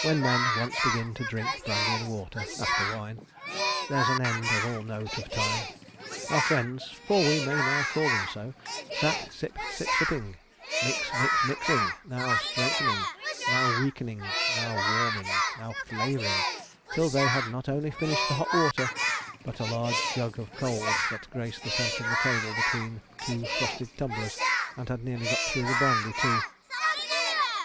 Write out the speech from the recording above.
When men once begin to drink brandy and water (after wine) there's an end of all note of time. Our friends for we 'may now call them so,' sat sip, sip, sipping mix, mix, mixing; now strengthening, now weakening, now warming, now flavouring, till they had not only finished the hot water but a large jug of cold, that graced the centre of the table between two frosted tumblers, and had nearly got through the brandy too.